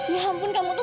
ya ampun kamu tuh